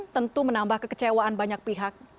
tentu menambah kekecewaan banyak pihak